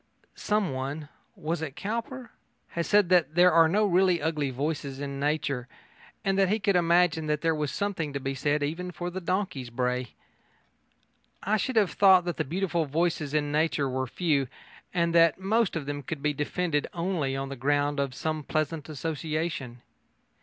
Someone was it Cowper? has said that there are no really ugly voices in nature, and that he could imagine that there was something to be said even for the donkey's bray. I should have thought that the beautiful voices in nature were few, and that most of them could be defended only on the ground of some pleasant association.